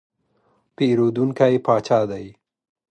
پیرودونکی پاچا دی.